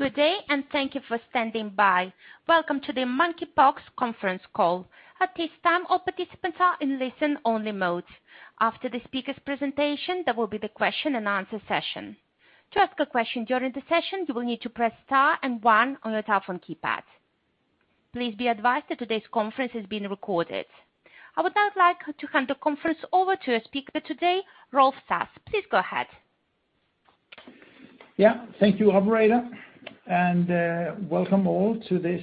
Good day, and thank you for standing by. Welcome to the Monkeypox conference call. At this time, all participants are in listen-only mode. After the speaker's presentation, there will be the question and answer session. To ask a question during the session, you will need to press star and one on your telephone keypad. Please be advised that today's conference is being recorded. I would now like to hand the conference over to our speaker today, Rolf Sass. Please go ahead. Yeah. Thank you, operator. Welcome all to this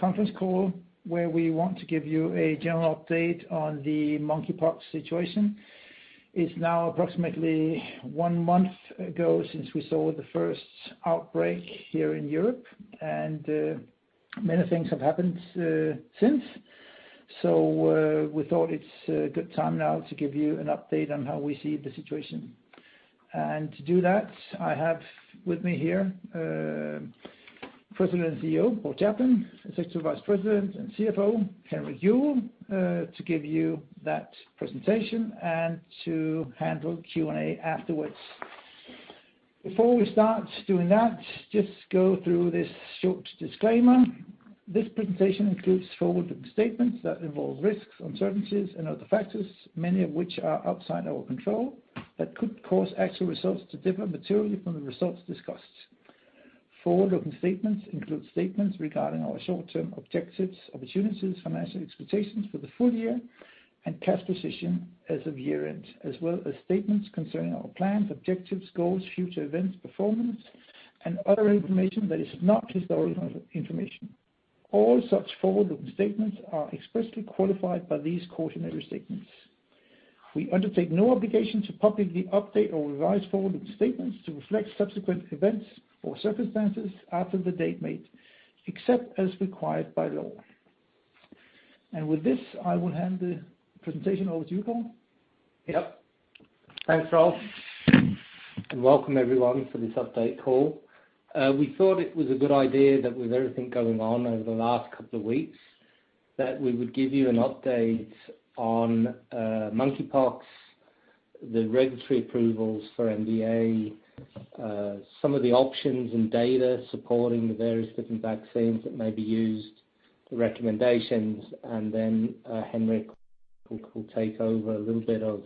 conference call, where we want to give you a general update on the monkeypox situation. It's now approximately one month ago since we saw the first outbreak here in Europe, and many things have happened since. We thought it's a good time now to give you an update on how we see the situation. To do that, I have with me here President and CEO, Paul Chaplin, Executive Vice President and CFO, Henrik Juuel, to give you that presentation and to handle Q&A afterwards. Before we start doing that, just go through this short disclaimer. This presentation includes forward-looking statements that involve risks, uncertainties, and other factors, many of which are outside our control, that could cause actual results to differ materially from the results discussed. Forward-looking statements include statements regarding our short-term objectives, opportunities, financial expectations for the full year and cash position as of year-end, as well as statements concerning our plans, objectives, goals, future events, performance, and other information that is not historical information. All such forward-looking statements are expressly qualified by these cautionary statements. We undertake no obligation to publicly update or revise forward-looking statements to reflect subsequent events or circumstances after the date made, except as required by law. With this, I will hand the presentation over to you, Paul. Yep. Thanks, Rolf. Welcome everyone for this update call. We thought it was a good idea that with everything going on over the last couple of weeks that we would give you an update on monkeypox, the regulatory approvals for MVA, some of the options and data supporting the various different vaccines that may be used, the recommendations, and then Henrik will take over a little bit of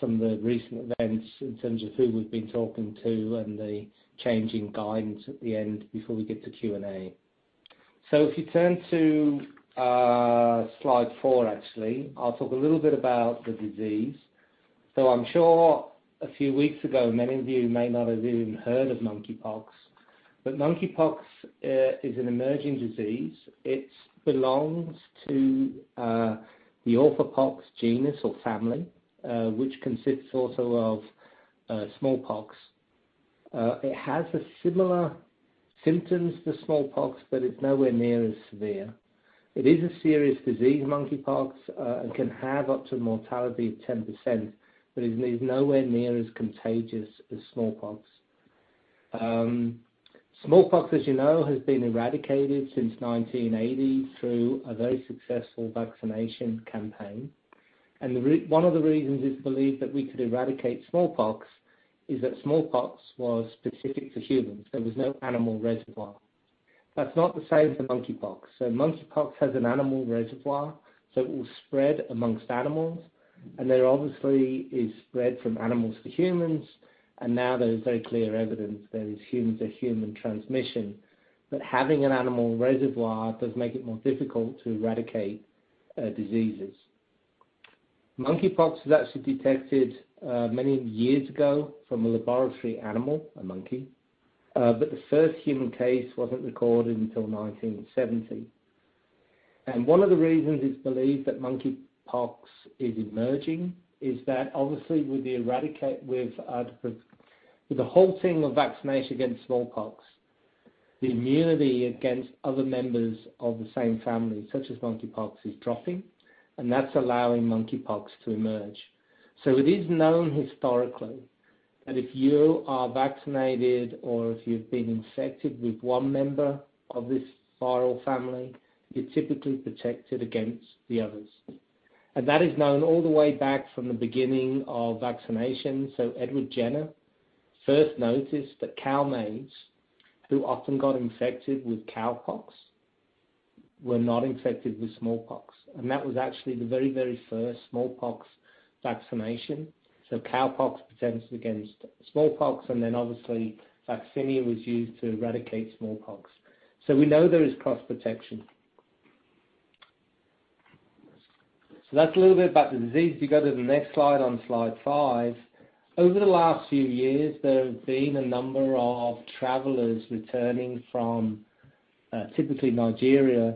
some of the recent events in terms of who we've been talking to and the changing guidance at the end before we get to Q&A. If you turn to slide four, actually, I'll talk a little bit about the disease. I'm sure a few weeks ago, many of you may not have even heard of monkeypox, but monkeypox is an emerging disease. It belongs to the Orthopoxvirus genus or family, which consists also of smallpox. It has a similar symptoms to smallpox, but it's now near as severe. It is a serious disease, monkeypox, and can have up to a mortality of 10%, but it's nowhere near as contagious as smallpox. Smallpox, as you know, has been eradicated since 1980 through a very successful vaccination campaign. One of the reasons it's believed that we could eradicate smallpox is that smallpox was specific to humans. There was no animal reservoir. That's not the same for monkeypox. Monkeypox has an animal reservoir, so it will spread amongst animals, and there obviously is spread from animals to humans. Now there is very clear evidence there is human-to-human transmission. Having an animal reservoir does make it more difficult to eradicate diseases. Monkeypox was actually detected many years ago from a laboratory animal, a monkey, but the first human case wasn't recorded until 1970. One of the reasons it's believed that monkeypox is emerging is that obviously, with the halting of vaccination against smallpox, the immunity against other members of the same family, such as monkeypox, is dropping, and that's allowing monkeypox to emerge. It is known historically that if you are vaccinated or if you've been infected with one member of this viral family, you're typically protected against the others. That is known all the way back from the beginning of vaccination. Edward Jenner first noticed that cowmaids who often got infected with cowpox were not infected with smallpox. That was actually the very, very first smallpox vaccination. Cowpox protects against smallpox, and then obviously vaccinia was used to eradicate smallpox. We know there is cross-protection. That's a little bit about the disease. If you go to the next slide, on slide five, over the last few years, there have been a number of travelers returning from typically Nigeria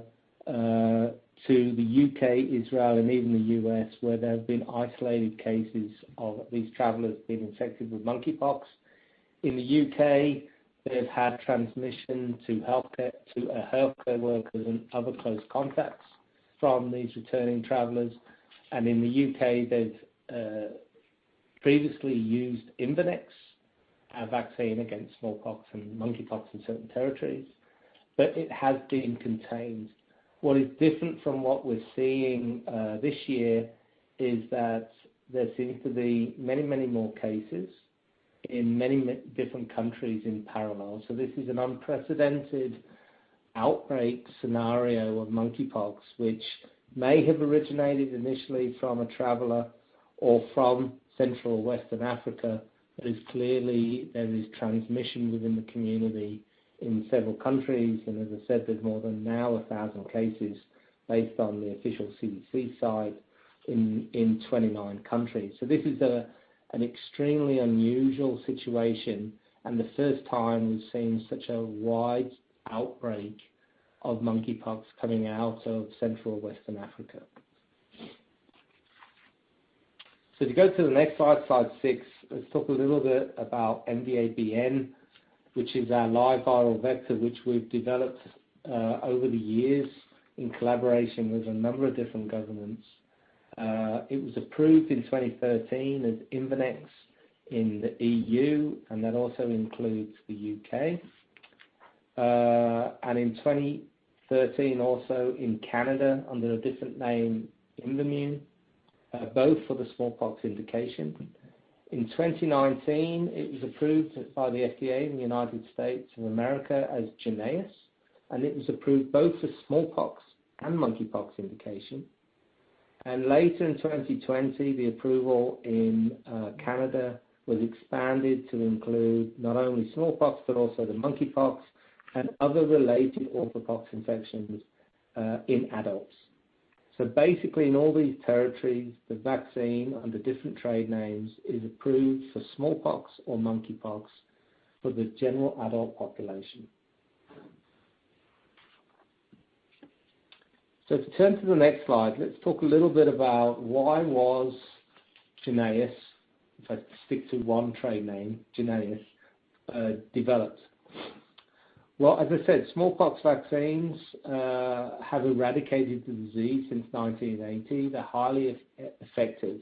to the U.K., Israel, and even the U.S., where there have been isolated cases of these travelers being infected with monkeypox. In the U.K., they've had transmission to healthcare workers and other close contacts from these returning travelers. In the U.K., they've previously used Imvanex, a vaccine against smallpox and monkeypox in certain territories. It has been contained. What is different from what we're seeing this year is that there seems to be many, many more cases in many different countries in parallel. This is an unprecedented outbreak scenario of monkeypox, which may have originated initially from a traveler or from central and western Africa. There is clearly transmission within the community in several countries. As I said, there's now more than 1,000 cases based on the official CDC site in 29 countries. This is an extremely unusual situation and the first time we've seen such a wide outbreak of monkeypox coming out of Central and Western Africa. If you go to the next slide six, let's talk a little bit about MVA-BN, which is our live viral vector, which we've developed over the years in collaboration with a number of different governments. It was approved in 2013 as Imvanex in the EU, and that also includes the U.K.. In 2013, also in Canada, under a different name, Imvamune, both for the smallpox indication. In 2019, it was approved by the FDA in the United States of America as Jynneos, and it was approved both for smallpox and monkeypox indication. Later in 2020, the approval in Canada was expanded to include not only smallpox but also the monkeypox and other related orthopox infections in adults. Basically, in all these territories, the vaccine under different trade names is approved for smallpox or monkeypox for the general adult population. If you turn to the next slide, let's talk a little bit about why was Jynneos, if I stick to one trade name, Jynneos, developed. Well, as I said, smallpox vaccines have eradicated the disease since 1980. They're highly effective.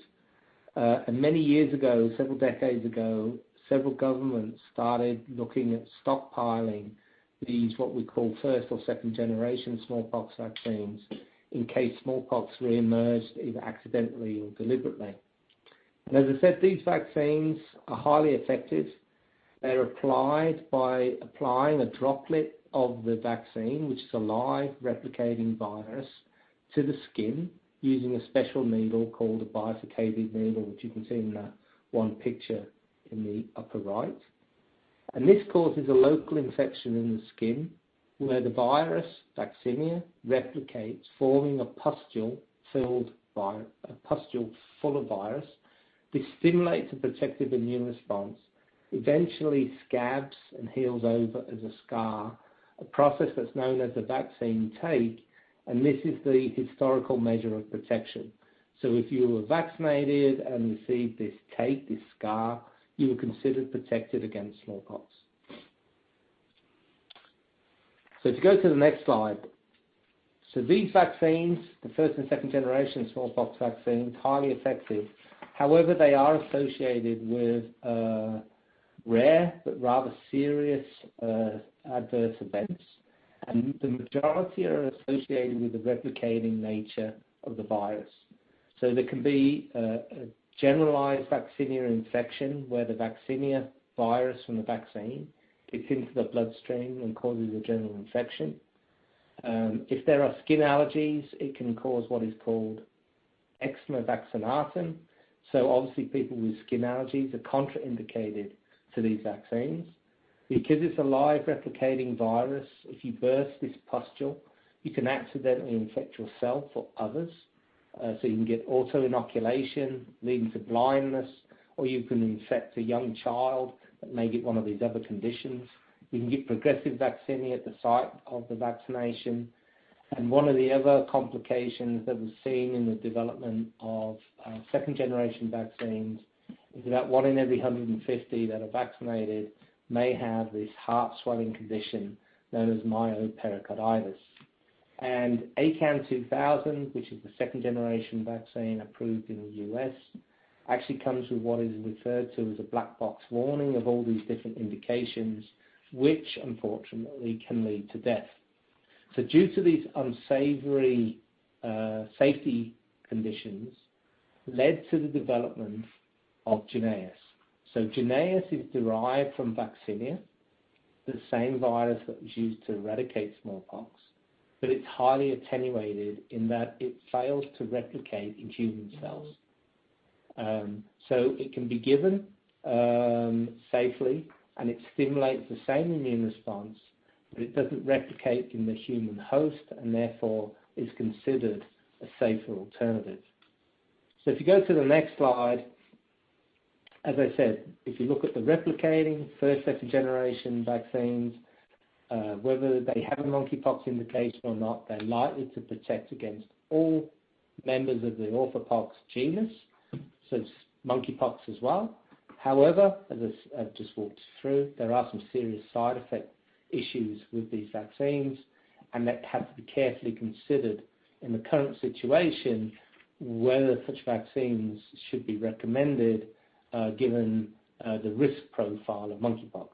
Many years ago, several decades ago, several governments started looking at stockpiling these, what we call first or second generation smallpox vaccines, in case smallpox reemerged, either accidentally or deliberately. As I said, these vaccines are highly effective. They're applied by applying a droplet of the vaccine, which is a live replicating virus, to the skin using a special needle called a bifurcated needle, which you can see in that one picture in the upper right. This causes a local infection in the skin, where the virus vaccinia replicates, forming a pustule full of virus, which stimulates a protective immune response, eventually scabs and heals over as a scar, a process that's known as the vaccine take. This is the historical measure of protection. If you were vaccinated and received this take, this scar, you were considered protected against smallpox. If you go to the next slide, these vaccines, the first and second generation smallpox vaccine, highly effective. However, they are associated with rare but rather serious adverse events. The majority are associated with the replicating nature of the virus. There can be a generalized vaccinia infection where the vaccinia virus from the vaccine gets into the bloodstream and causes a general infection. If there are skin allergies, it can cause what is called eczema vaccinatum. Obviously, people with skin allergies are contraindicated to these vaccines. Because it's a live replicating virus, if you burst this pustule, you can accidentally infect yourself or others. You can get autoinoculation leading to blindness, or you can infect a young child that may get one of these other conditions. You can get progressive vaccinia at the site of the vaccination. One of the other complications that we've seen in the development of second generation vaccines is about one in every 150 that are vaccinated may have this heart swelling condition known as myopericarditis. ACAM2000, which is the second generation vaccine approved in the U.S., actually comes with what is referred to as a black box warning of all these different indications which unfortunately can lead to death. Due to these unsavory safety conditions led to the development of Jynneos. Jynneos is derived from vaccinia, the same virus that was used to eradicate smallpox, but it's highly attenuated in that it fails to replicate in human cells. It can be given safely and it stimulates the same immune response, but it doesn't replicate in the human host and therefore is considered a safer alternative. If you go to the next slide. As I said, if you look at the replicating first, second generation vaccines, whether they have a monkeypox indication or not, they're likely to protect against all members of the orthopox genus, so monkeypox as well. However, as I've just walked you through, there are some serious side effect issues with these vaccines. That has to be carefully considered in the current situation, whether such vaccines should be recommended, given the risk profile of monkeypox.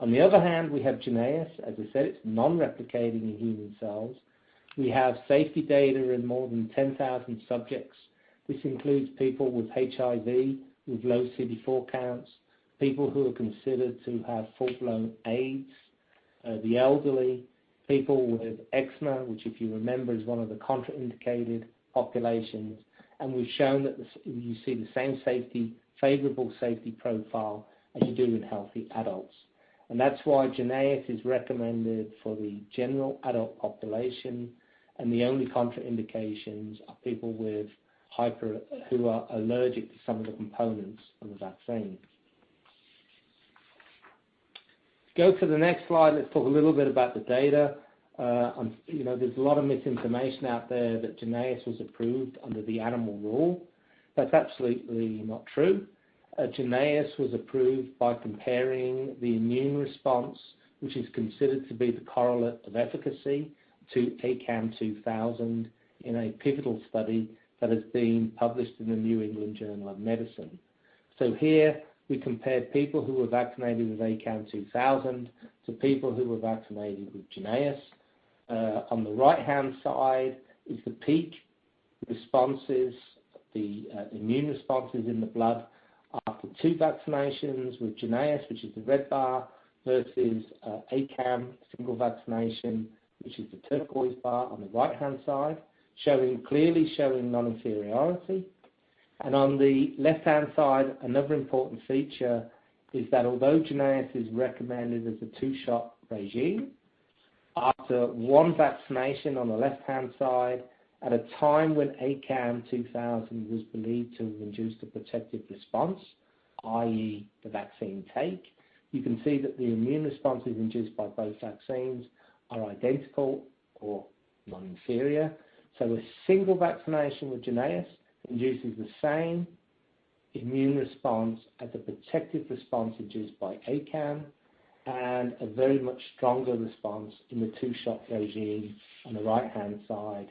On the other hand, we have Jynneos, as I said, it's non-replicating in human cells. We have safety data in more than 10,000 subjects. This includes people with HIV, with low CD4 counts, people who are considered to have full-blown AIDS, the elderly, people with eczema, which if you remember, is one of the contraindicated populations, and we've shown that you see the same safety, favorable safety profile as you do in healthy adults. That's why Jynneos is recommended for the general adult population, and the only contraindications are people who are allergic to some of the components of the vaccine. Go to the next slide. Let's talk a little bit about the data. You know, there's a lot of misinformation out there that Jynneos was approved under the Animal Rule. That's absolutely not true. Jynneos was approved by comparing the immune response, which is considered to be the correlate of efficacy, to ACAM2000 in a pivotal study that has been published in the New England Journal of Medicine. Here, we compared people who were vaccinated with ACAM2000 to people who were vaccinated with Jynneos. On the right-hand side is the peak responses. The immune responses in the blood after two vaccinations with Jynneos, which is the red bar versus ACAM single vaccination, which is the turquoise bar on the right-hand side, clearly showing non-inferiority. On the left-hand side, another important feature is that although Jynneos is recommended as a two-shot regimen, after one vaccination on the left-hand side, at a time when ACAM2000 was believed to have induced a protective response, i.e., the vaccine take, you can see that the immune responses induced by both vaccines are identical or non-inferior. A single vaccination with Jynneos induces the same immune response as a protective response induced by ACAM, and a very much stronger response in the two-shot regimen on the right-hand side,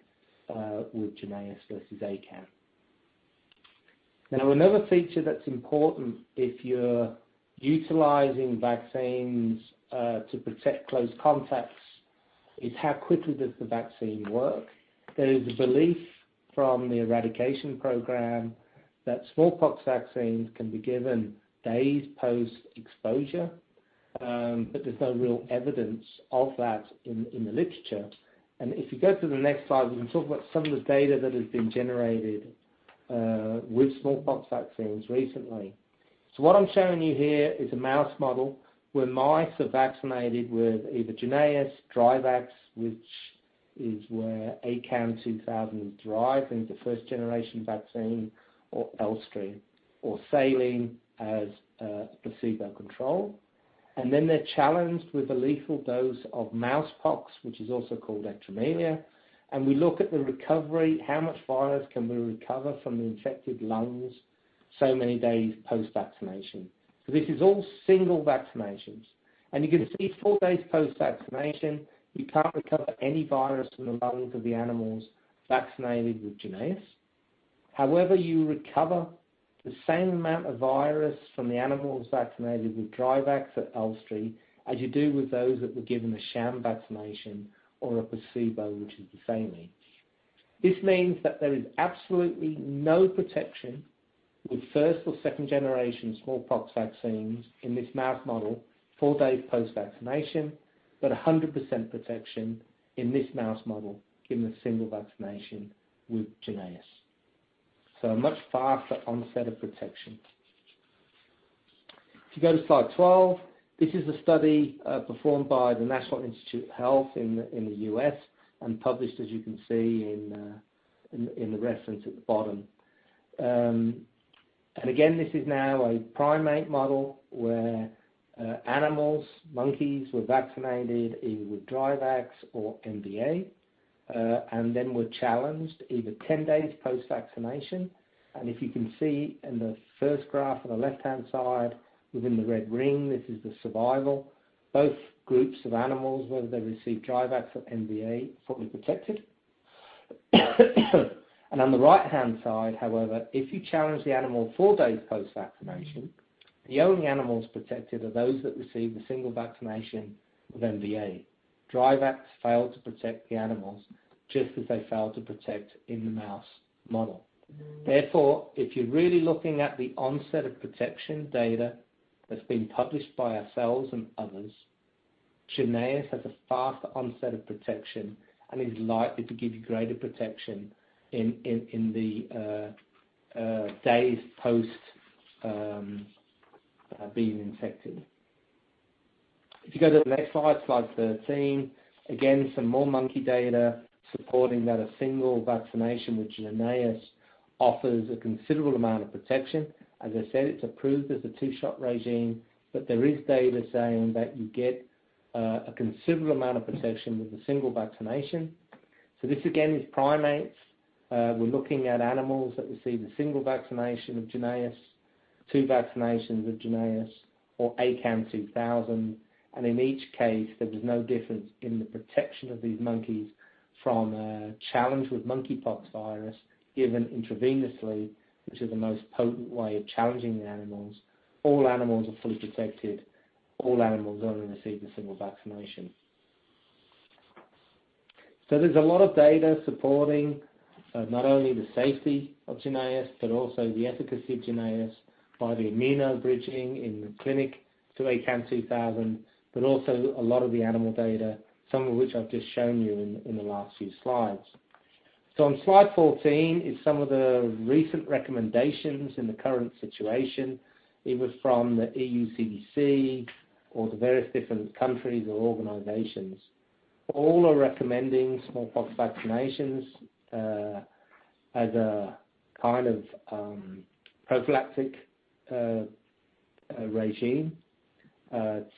with Jynneos versus ACAM. Now, another feature that's important if you're utilizing vaccines to protect close contacts is how quickly does the vaccine work. There is a belief from the eradication program that smallpox vaccines can be given days post-exposure, but there's no real evidence of that in the literature. If you go to the next slide, we can talk about some of the data that has been generated with smallpox vaccines recently. What I'm showing you here is a mouse model where mice are vaccinated with either Jynneos, Dryvax, which is where ACAM2000 is derived, and it's a first-generation vaccine, or Elstree, or saline as a placebo control. Then they're challenged with a lethal dose of mousepox, which is also called ectromelia. We look at the recovery, how much virus can we recover from the infected lungs so many days post-vaccination. This is all single vaccinations. You can see four days post-vaccination, you can't recover any virus from the lungs of the animals vaccinated with Jynneos. However, you recover the same amount of virus from the animals vaccinated with Dryvax at Elstree as you do with those that were given a sham vaccination or a placebo, which is the saline. This means that there is absolutely no protection with first or second generation smallpox vaccines in this mouse model four days post-vaccination, but 100% protection in this mouse model given a single vaccination with Jynneos. A much faster onset of protection. If you go to slide 12, this is a study performed by the National Institute of Health in the U.S. and published, as you can see, in the reference at the bottom. This is now a primate model where animals, monkeys were vaccinated either with Dryvax or MVA, and then were challenged either 10 days post-vaccination. If you can see in the first graph on the left-hand side within the red ring, this is the survival. Both groups of animals, whether they received Dryvax or MVA, fully-protected. On the right-hand side, however, if you challenge the animal four days post-vaccination, the only animals protected are those that received a single vaccination of MVA. Dryvax failed to protect the animals just as they failed to protect in the mouse model. Therefore, if you're really looking at the onset of protection data that's been published by ourselves and others, Jynneos has a faster onset of protection and is likely to give you greater protection in the days post being infected. If you go to the next slide 13, again, some more monkey data supporting that a single vaccination with Jynneos offers a considerable amount of protection. As I said, it's approved as a two-shot regimen, but there is data saying that you get a considerable amount of protection with a single vaccination. This, again, is primates. We're looking at animals that receive a single vaccination of Jynneos. Two vaccinations of Jynneos or ACAM2000. In each case, there was no difference in the protection of these monkeys from a challenge with monkeypox virus given intravenously, which is the most potent way of challenging the animals. All animals are fully protected. All animals only received a single vaccination. There's a lot of data supporting not only the safety of Jynneos, but also the efficacy of Jynneos by the immunobridging in the clinic to ACAM2000, but also a lot of the animal data, some of which I've just shown you in the last few slides. On slide 14 is some of the recent recommendations in the current situation, either from the ECDC or the various different countries or organizations. All are recommending smallpox vaccinations as a kind of prophylactic regime.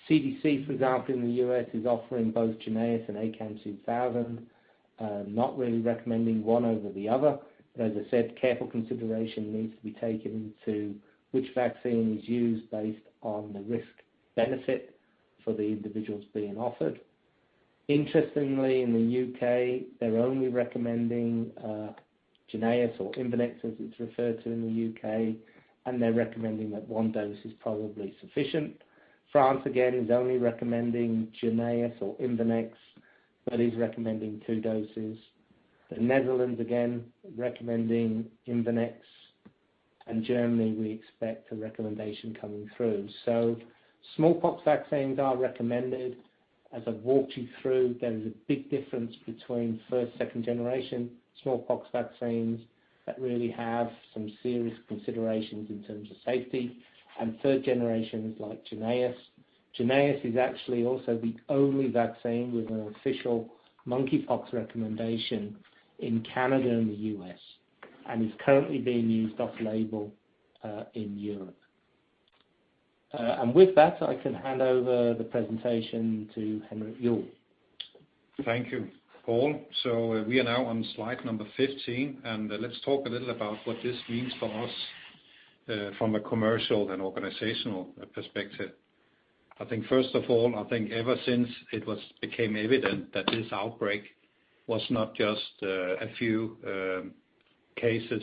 CDC, for example, in the U.S. is offering both Jynneos and ACAM2000, not really recommending one over the other. But as I said, careful consideration needs to be taken into which vaccine is used based on the risk benefit for the individuals being offered. Interestingly, in the U.K., they're only recommending Jynneos or Imvanex, as it's referred to in the U.K., and they're recommending that one dose is probably sufficient. France, again, is only recommending Jynneos or Imvanex, but is recommending two doses. The Netherlands, again, recommending Imvanex. Germany, we expect a recommendation coming through. Smallpox vaccines are recommended. As I've walked you through, there is a big difference between first, second generation smallpox vaccines that really have some serious considerations in terms of safety, and third generations like Jynneos. Jynneos is actually also the only vaccine with an official monkeypox recommendation in Canada and the U.S., and is currently being used off label in Europe. With that, I can hand over the presentation to Henrik Juuel. Thank you, Paul. We are now on slide number 15, and let's talk a little about what this means for us from a commercial and organizational perspective. I think first of all, ever since it became evident that this outbreak was not just a few cases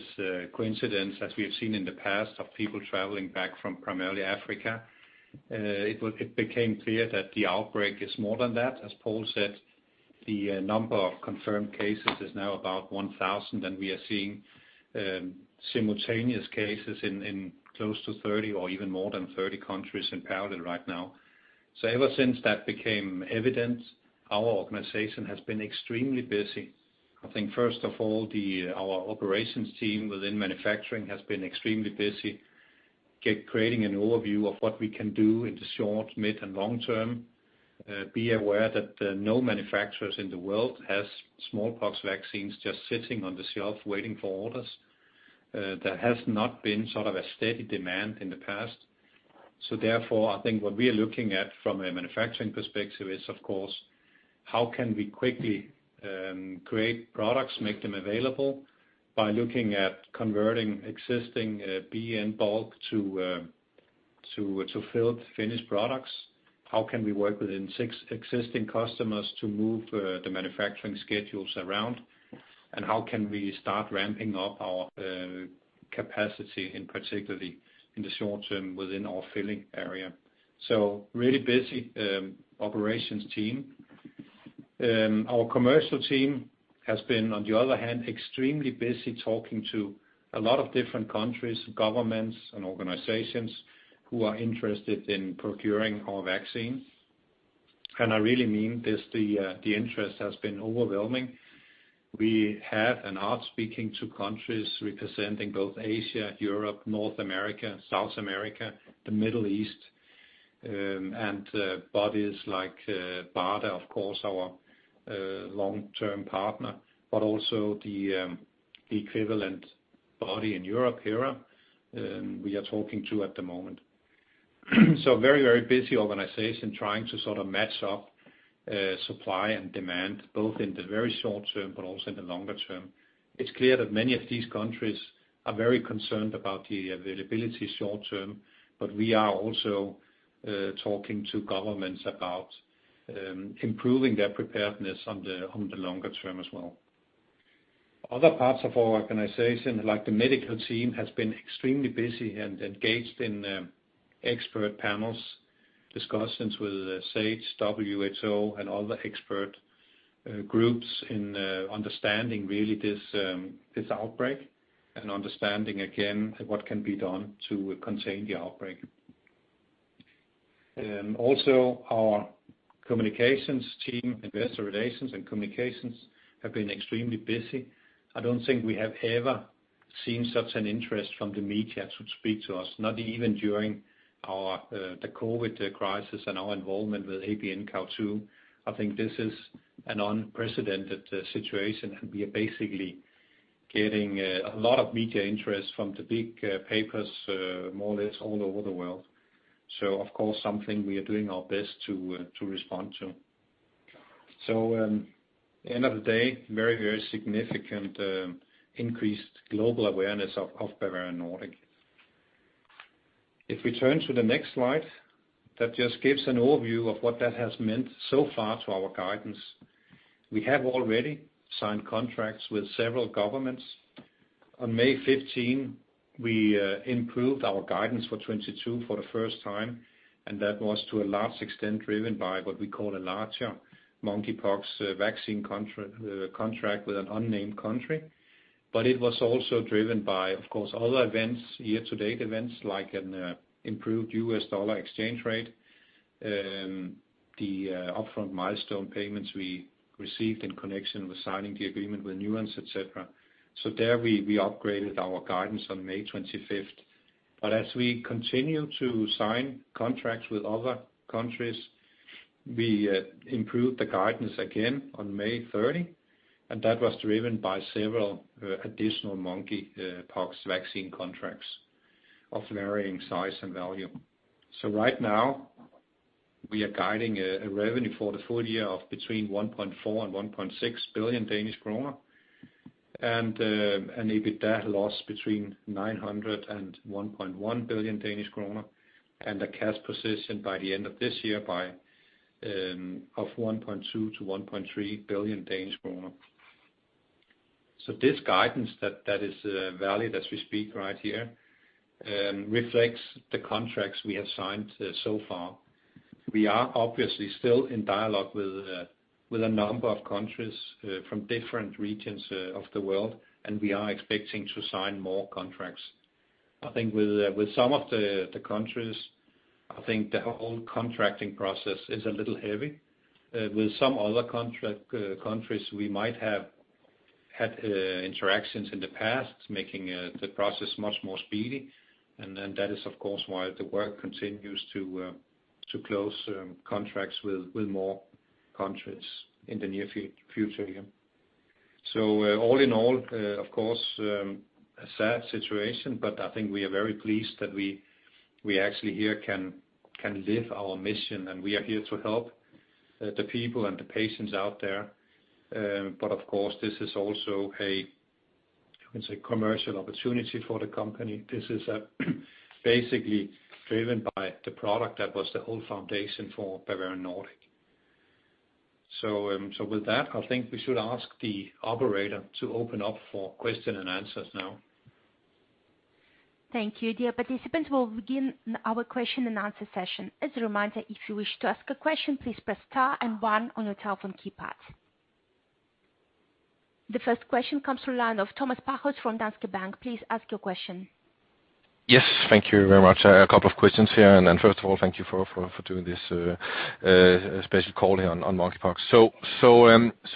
coincidence as we have seen in the past of people traveling back from primarily Africa, it became clear that the outbreak is more than that. As Paul said, the number of confirmed cases is now about 1,000, and we are seeing simultaneous cases in close to 30 or even more than 30 countries in parallel right now. Ever since that became evident, our organization has been extremely busy. I think first of all, our operations team within manufacturing has been extremely busy creating an overview of what we can do in the short, mid, and long term. Be aware that no manufacturers in the world has smallpox vaccines just sitting on the shelf waiting for orders. There has not been sort of a steady demand in the past. Therefore, I think what we are looking at from a manufacturing perspective is, of course, how can we quickly create products, make them available by looking at converting existing MVA-BN bulk to filled finished products? How can we work with its six existing customers to move the manufacturing schedules around? How can we start ramping up our capacity particularly in the short term within our filling area? Really busy operations team. Our commercial team has been, on the other hand, extremely busy talking to a lot of different countries, governments and organizations who are interested in procuring our vaccine. I really mean this, the interest has been overwhelming. We have and are speaking to countries representing both Asia, Europe, North America, South America, the Middle East, and bodies like BARDA, of course, our long-term partner, but also the equivalent body in Europe, HERA, we are talking to at the moment. Very, very busy organization trying to sort of match up supply and demand, both in the very short term but also in the longer term. It's clear that many of these countries are very concerned about the availability short term, but we are also talking to governments about improving their preparedness on the longer term as well. Other parts of our organization, like the medical team, has been extremely busy and engaged in expert panels, discussions with SAGE, WHO, and other expert groups in understanding really this outbreak and understanding again what can be done to contain the outbreak. Also our communications team, investor relations and communications, have been extremely busy. I don't think we have ever seen such an interest from the media to speak to us, not even during the COVID crisis and our involvement with ABNCoV2. I think this is an unprecedented situation, and we are basically getting a lot of media interest from the big papers more or less all over the world. Of course, something we are doing our best to respond to. End of the day, very significant increased global awareness of Bavarian Nordic. If we turn to the next slide, that just gives an overview of what that has meant so far to our guidance. We have already signed contracts with several governments. On May 15, we improved our guidance for 2022 for the first time, and that was to a large extent driven by what we call a larger monkeypox vaccine contract with an unnamed country. It was also driven by, of course, other events, year-to-date events like an improved U.S. dollar exchange rate, the upfront milestone payments we received in connection with signing the agreement with Nuance, et cetera. There we upgraded our guidance on May 25. As we continue to sign contracts with other countries, we improved the guidance again on May 30, and that was driven by several additional monkeypox vaccine contracts of varying size and value. Right now, we are guiding a revenue for the full year of between 1.4 billion and 1.6 billion Danish kroner, and an EBITDA loss between 900 million Danish kroner and 1.1 billion Danish kroner, and a cash position by the end of this year of 1.2 billion-1.3 billion Danish kroner. This guidance that is valid as we speak right here reflects the contracts we have signed so far. We are obviously still in dialogue with a number of countries from different regions of the world, and we are expecting to sign more contracts. I think with some of the countries, I think the whole contracting process is a little heavy. With some other contract countries we might have had interactions in the past, making the process much more speedy. That is of course why the work continues to close contracts with more countries in the near future here. All in all, of course, a sad situation, but I think we are very pleased that we actually here can live our mission, and we are here to help the people and the patients out there. Of course this is also a, you can say, commercial opportunity for the company. This is basically driven by the product that was the whole foundation for Bavarian Nordic. With that, I think we should ask the operator to open up for question and answers now. Thank you. Dear participants, we'll begin our question and answer session. As a reminder, if you wish to ask a question, please press star and one on your telephone keypad. The first question comes from the line of Thomas Bowers from Danske Bank. Please ask your question. Yes, thank you very much. I have a couple of questions here, and then first of all, thank you for doing this special call here on monkeypox.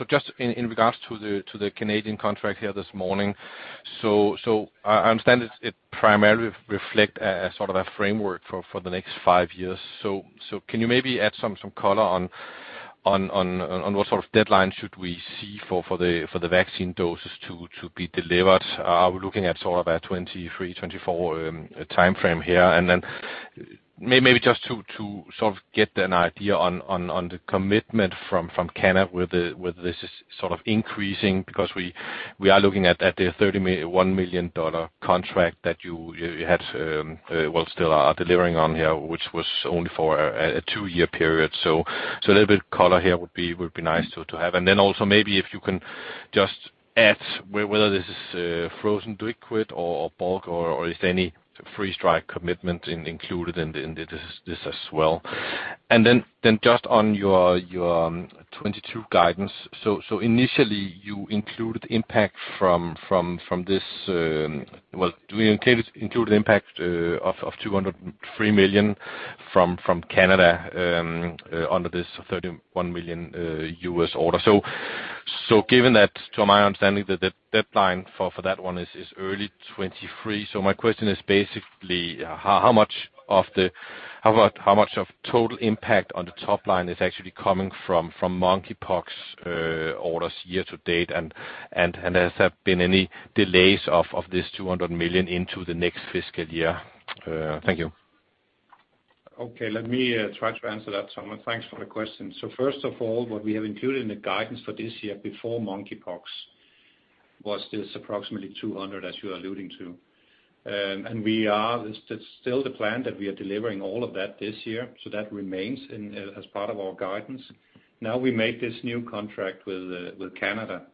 Just in regards to the Canadian contract here this morning, I understand it primarily reflect a sort of a framework for the next five years. Can you maybe add some color on what sort of deadline should we see for the vaccine doses to be delivered? Are we looking at sort of a 2023-2024 timeframe here? Maybe just to sort of get an idea on the commitment from Canada with this sort of increasing, because we are looking at the $1 million contract that you had, well still are delivering on here, which was only for a two-year period. A little bit color here would be nice to have. Also maybe if you can just add whether this is frozen liquid or bulk or is there any freeze-dried commitment included in this as well. Just on your 2022 guidance. Initially you included impact from this, well, do you include impact of 203 million from Canada under this $31 million U.S. order? Given that to my understanding the deadline for that one is early 2023, my question is basically how much of the total impact on the top line is actually coming from monkeypox orders year to date and has there been any delays of this 200 million into the next fiscal year? Thank you. Okay. Let me try to answer that, Thomas. Thanks for the question. First of all, what we have included in the guidance for this year before monkeypox was this approximately 200 million as you are alluding to. We are, it's still the plan that we are delivering all of that this year, so that remains in as part of our guidance. Now we made this new contract with Canada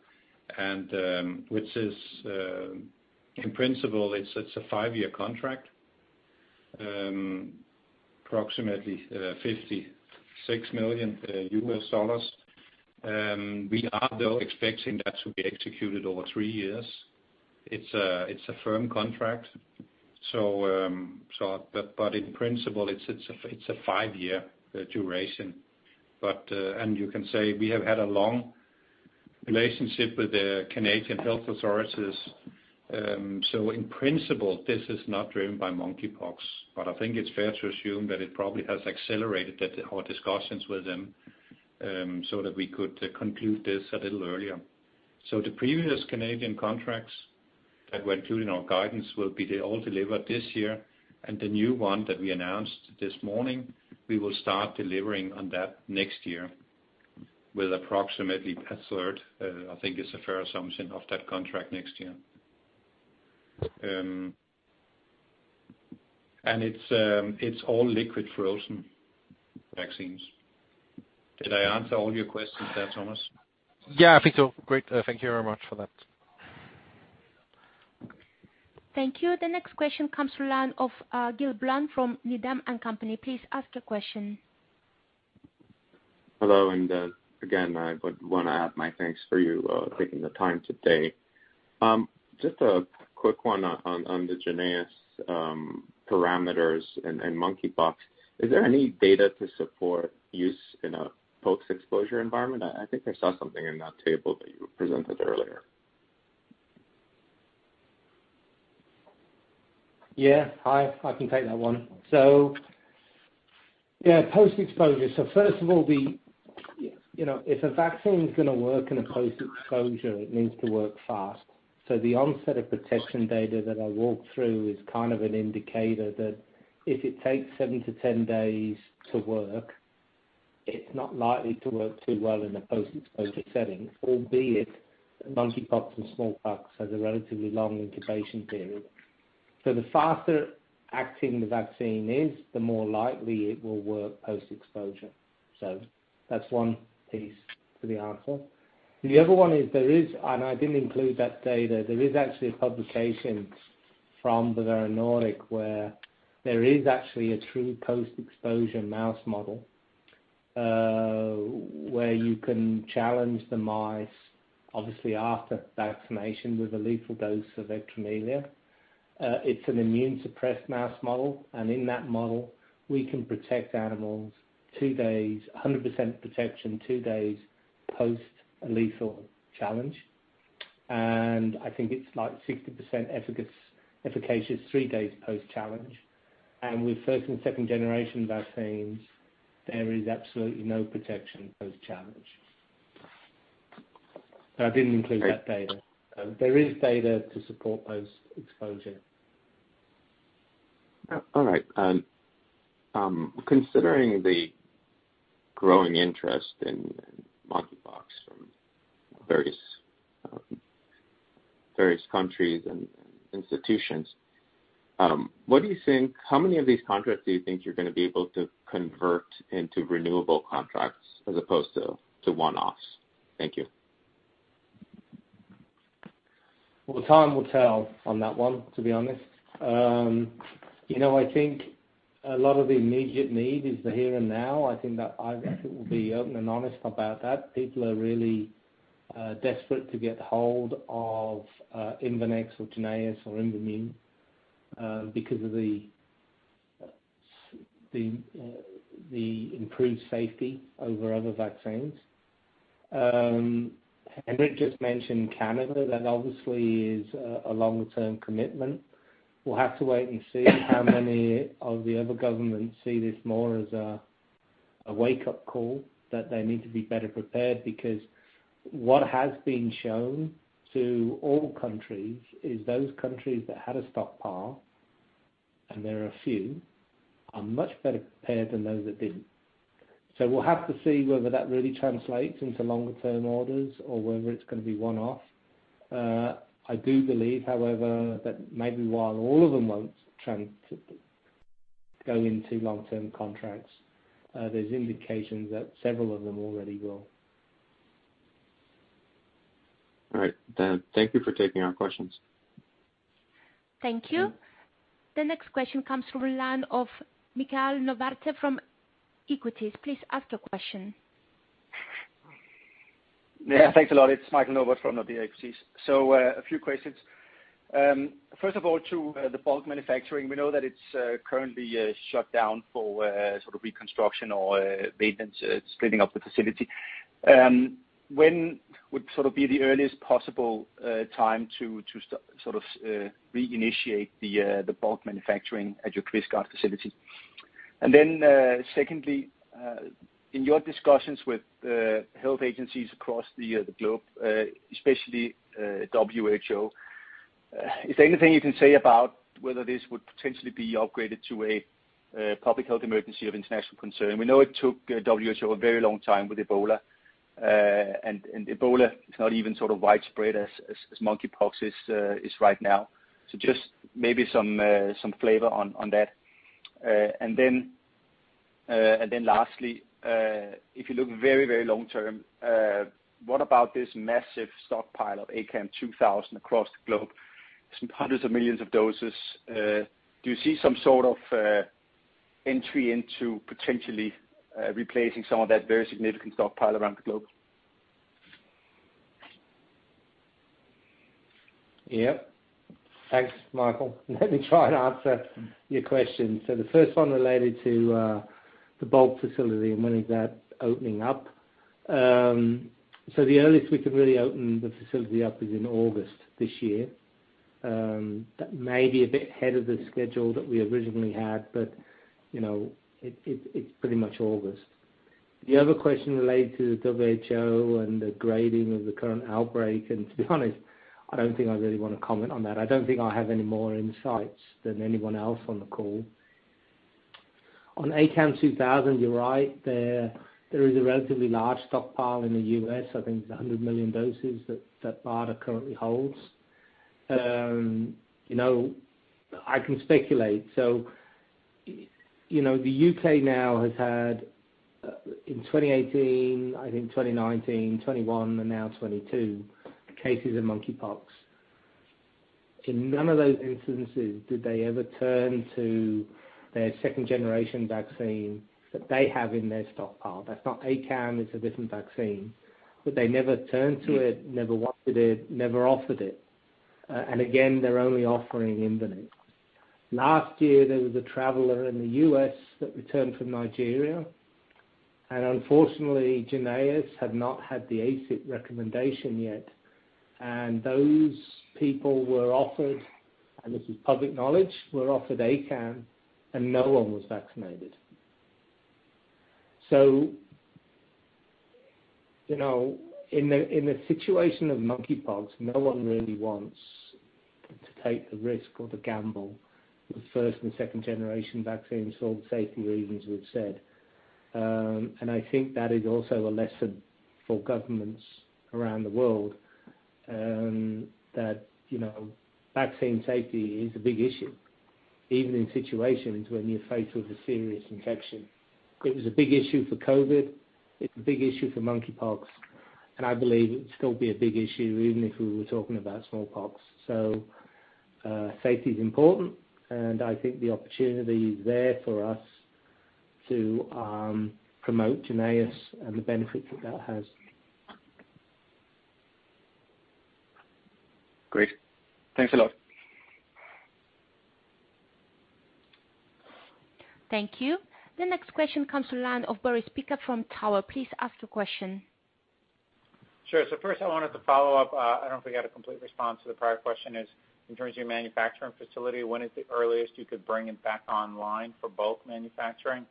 and which is in principle it's a five-year contract. Approximately $56 million. We are though expecting that to be executed over three years. It's a firm contract. But in principle it's a five-year duration. you can say we have had a long relationship with the Canadian health authorities, so in principle, this is not driven by monkeypox. I think it's fair to assume that it probably has accelerated that our discussions with them, so that we could conclude this a little earlier. the previous Canadian contracts That we're including our guidance will be they all delivered this year and the new one that we announced this morning, we will start delivering on that next year with approximately a third, I think is a fair assumption of that contract next year. And it's all liquid frozen vaccines. Did I answer all your questions there, Thomas? Yeah, I think so. Great. Thank you very much for that. Thank you. The next question comes from the line of Gil Blum from Needham & Company. Please ask your question. Hello, and again, I would wanna add my thanks for you taking the time today. Just a quick one on the Jynneos parameters and monkeypox. Is there any data to support use in a post-exposure environment? I think I saw something in that table that you presented earlier. Yeah. Hi, I can take that one. Yeah, post-exposure. First of all, you know, if a vaccine's gonna work in a post-exposure, it needs to work fast. The onset of protection data that I walked through is kind of an indicator that if it takes seven-10 days to work, it's not likely to work too well in a post-exposure setting, albeit monkeypox and smallpox has a relatively long incubation period. The faster acting the vaccine is, the more likely it will work post-exposure. That's one piece to the answer. The other one is, and I didn't include that data, there is actually a publication from Bavarian Nordic where there is actually a true post-exposure mouse model, where you can challenge the mice, obviously after vaccination, with a lethal dose of ectromelia. It's an immune suppressed mouse model, and in that model, we can protect animals two days, 100% protection, two days post a lethal challenge. I think it's like 60% efficacious three days post-challenge. With first and second generation vaccines, there is absolutely no protection post-challenge. I didn't include that data. There is data to support post-exposure. All right. Considering the growing interest in monkeypox from various countries and institutions, how many of these contracts do you think you're gonna be able to convert into renewable contracts as opposed to one-offs? Thank you. Well, time will tell on that one, to be honest. You know, I think a lot of the immediate need is the here and now. I think that I've actually will be open and honest about that. People are really desperate to get hold of Imvanex or Jynneos or Imvamune because of the improved safety over other vaccines. Henrik just mentioned Canada. That obviously is a longer term commitment. We'll have to wait and see how many of the other governments see this more as a wake-up call that they need to be better prepared. Because what has been shown to all countries is those countries that had a stockpile, and there are a few, are much better prepared than those that didn't. We'll have to see whether that really translates into longer term orders or whether it's gonna be one-off. I do believe, however, that maybe while all of them won't go into long-term contracts, there's indications that several of them already will. All right. Thank you for taking our questions. Thank you. The next question comes from a line of Michael Novod from Nordea Equities. Please ask your question. Yeah, thanks a lot. It's Michael Novod from Nordea Equities. A few questions. First of all, to the bulk manufacturing. We know that it's currently shut down for sort of reconstruction or maintenance splitting up the facility. When would sort of be the earliest possible time to sort of reinitiate the bulk manufacturing at your Kvistgård facility? And then secondly in your discussions with health agencies across the globe especially WHO is there anything you can say about whether this would potentially be upgraded to a public health emergency of international concern? We know it took WHO a very long time with Ebola. Ebola is not even sort of widespread as monkeypox is right now. Just maybe some flavor on that. Lastly, if you look very, very long-term, what about this massive stockpile of ACAM2000 across the globe, some hundreds of millions of doses? Do you see some sort of entry into potentially replacing some of that very significant stockpile around the globe? Yeah. Thanks, Michael. Let me try and answer your question. The first one related to the bulk facility and when is that opening up. The earliest we can really open the facility up is in August this year. That may be a bit ahead of the schedule that we originally had, but you know, it's pretty much August. The other question related to the WHO and the grading of the current outbreak. To be honest, I don't think I really wanna comment on that. I don't think I have any more insights than anyone else on the call. On ACAM2000, you're right. There is a relatively large stockpile in the U.S., I think it's 100 million doses that BARDA currently holds. You know, I can speculate. You know, the U.K. now has had, in 2018, I think 2019, 2021, and now 2022 cases of monkeypox. In none of those instances did they ever turn to their second generation vaccine that they have in their stockpile. That's not ACAM, it's a different vaccine. But they never turned to it, never wanted it, never offered it. And again, they're only offering Imvanex. Last year, there was a traveler in the U.S. that returned from Nigeria, and unfortunately, Jynneos had not had the ACIP recommendation yet. And those people were offered ACAM, and this is public knowledge, no one was vaccinated. You know, in the situation of monkeypox, no one really wants to take the risk or the gamble with first and second generation vaccines for safety reasons, we've said. I think that is also a lesson for governments around the world, that, you know, vaccine safety is a big issue, even in situations when you're faced with a serious infection. It was a big issue for COVID, it's a big issue for monkeypox, and I believe it's going to be a big issue even if we were talking about smallpox. Safety is important, and I think the opportunity is there for us to promote Jynneos and the benefits that that has. Great. Thanks a lot. Thank you. The next question comes to the line of Boris Peaker from Cowen. Please ask your question. Sure. First, I wanted to follow up. I don't know if we had a complete response to the prior question, in terms of your manufacturing facility, when is the earliest you could bring it back online for bulk manufacturing?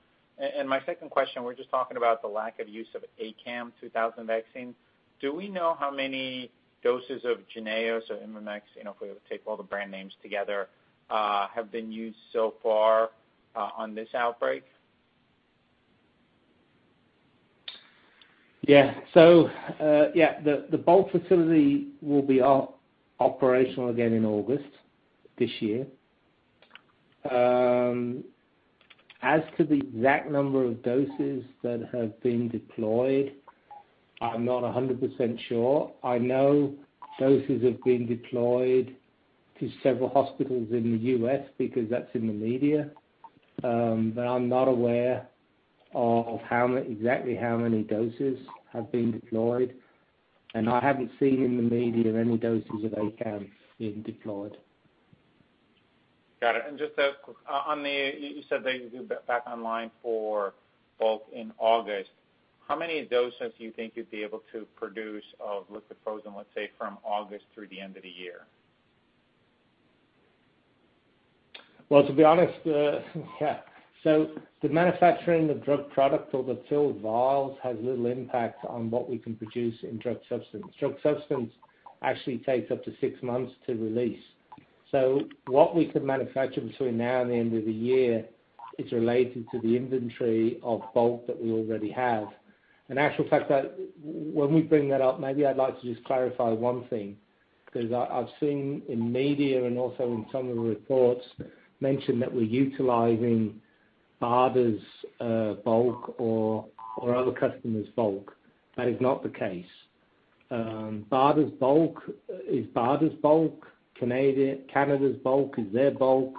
My second question, we're just talking about the lack of use of ACAM2000 vaccine. Do we know how many doses of Jynneos or Imvanex, you know, if we were to take all the brand names together, have been used so far, on this outbreak? The bulk facility will be operational again in August this year. As to the exact number of doses that have been deployed, I'm not 100% sure. I know doses have been deployed to several hospitals in the U.S. because that's in the media. I'm not aware of exactly how many doses have been deployed. I haven't seen in the media any doses of ACAM being deployed. Got it. Just a quick one on the, you said that you'd be back online for bulk in August. How many doses do you think you'd be able to produce of liquid-frozen, let's say, from August through the end of the year? Well, to be honest, yeah. The manufacturing of drug product or the filled vials has little impact on what we can produce in drug substance. Drug substance actually takes up to six months to release. What we could manufacture between now and the end of the year is related to the inventory of bulk that we already have. In actual fact, when we bring that up, maybe I'd like to just clarify one thing, 'cause I've seen in media and also in some of the reports mention that we're utilizing BARDA's bulk or other customers' bulk. That is not the case. BARDA's bulk is BARDA's bulk. Canada's bulk is their bulk.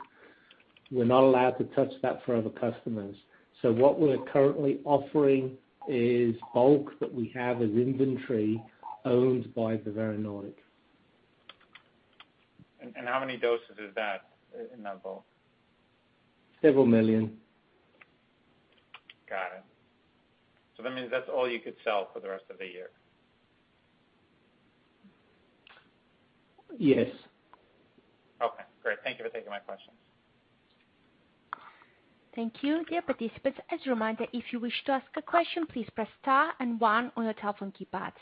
We're not allowed to touch that for other customers. What we're currently offering is bulk that we have as inventory owned by Bavarian Nordic. How many doses is that in that bulk? Several million. Got it. That means that's all you could sell for the rest of the year. Yes. Okay, great. Thank you for taking my questions. Thank you. Dear participants, as a reminder, if you wish to ask a question, please press star and one on your telephone keypad.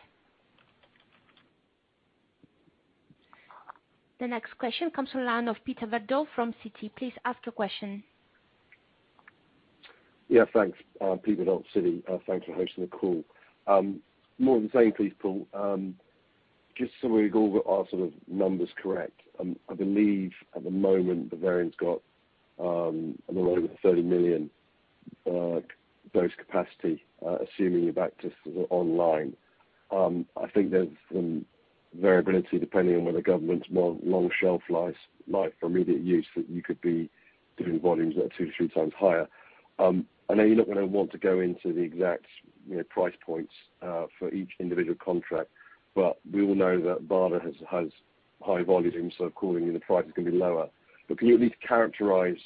The next question comes from line of Peter Verdult from Citi. Please ask your question. Yeah, thanks. Peter Verdult, Citi. Thanks for hosting the call. More of the same please, Paul. Just so we go over our sort of numbers correct, I believe at the moment Bavarian Nordic's got a little over 30 million dose capacity, assuming you're back to sell online. I think there's some variability depending on whether governments want long shelf lives for immediate use, that you could be doing volumes that are two-three times higher. I know you're not gonna want to go into the exact, you know, price points for each individual contract, but we all know that BARDA has high volume, so accordingly the price is gonna be lower. Can you at least characterize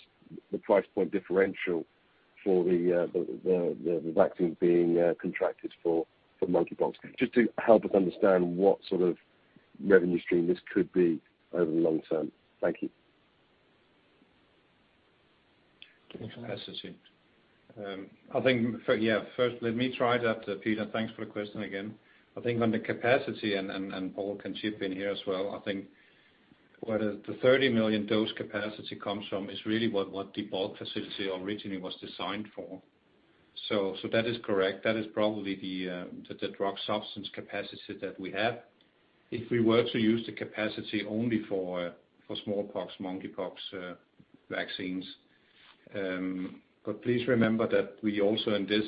the price point differential for the vaccine being contracted for monkeypox, just to help us understand what sort of revenue stream this could be over the long term? Thank you. [inaudible] I think for, yeah, first let me try that, Peter, thanks for the question again. I think on the capacity and Paul can chip in here as well, I think where the 30 million dose capacity comes from is really what the bulk facility originally was designed for. So that is correct. That is probably the drug substance capacity that we have if we were to use the capacity only for smallpox, monkeypox vaccines. But please remember that we also in this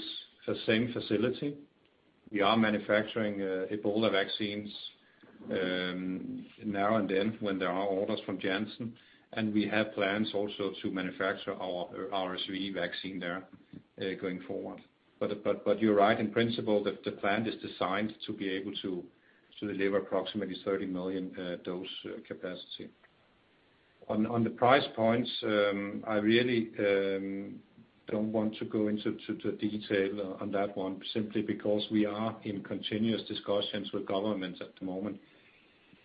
same facility, we are manufacturing Ebola vaccines now and then when there are orders from Janssen. We have plans also to manufacture our RSV vaccine there going forward. You're right in principle, the plan is designed to be able to deliver approximately 30 million dose capacity. On the price points, I really don't want to go into detail on that one simply because we are in continuous discussions with governments at the moment.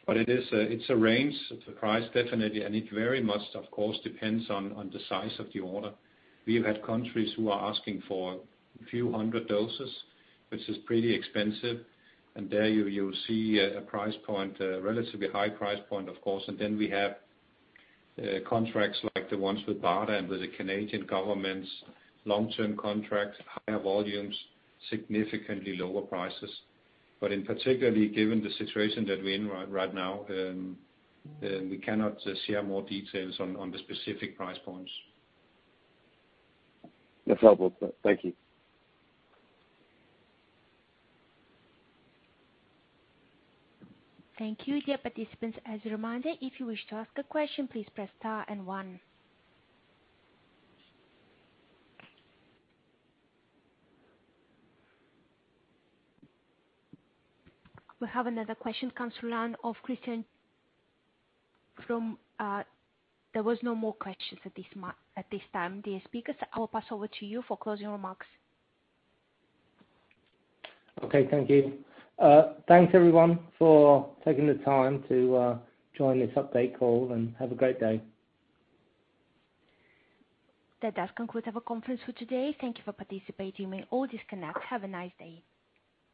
It is a range, it's a price definitely, and it very much, of course, depends on the size of the order. We have had countries who are asking for a few hundred doses, which is pretty expensive. There you'll see a price point, relatively high price point of course. Then we have contracts like the ones with BARDA and with the Canadian governments, long-term contracts, higher volumes, significantly lower prices. In particular, given the situation that we're in right now, we cannot share more details on the specific price points. That's helpful. Thank you. Thank you, dear participants. As a reminder, if you wish to ask a question, please press star and one. We have another question comes from the line of Christian. There was no more questions at this time. Dear speakers, I will pass over to you for closing remarks. Okay. Thank you. Thanks everyone for taking the time to join this update call, and have a great day. That does conclude our conference for today. Thank you for participating. You may all disconnect. Have a nice day.